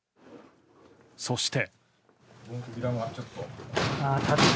そして。